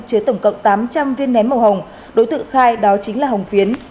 chứa tổng cộng tám trăm linh viên nén màu hồng đối tượng khai đó chính là hồng phiến